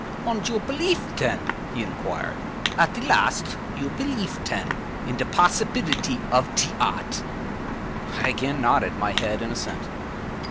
“Und you pelief, ten,” he inquired, “at te last? You pelief, ten, in te possibilty of te odd?” I again nodded my head in assent.